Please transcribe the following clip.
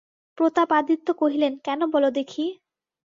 প্রতাপাদিত্য কহিলেন, কেন বলো দেখি?